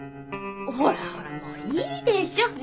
ほらほらもういいでしょ？